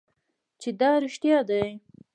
چې دا رښتیا دي .